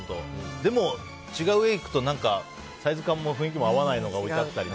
でも違う家行くと、サイズ感も雰囲気も合わないのが多かったりね。